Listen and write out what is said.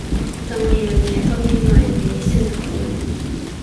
tomo ni la mije Kominu en meli Suneko li lon.